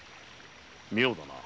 妙だな。